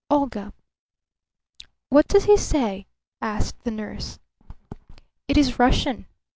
Olga!" "What does he say?" asked the nurse. "It is Russian.